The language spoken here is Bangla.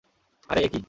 আরে এ কী?